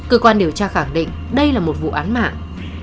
cơ quan điều tra khẳng định đây là một vụ án mạng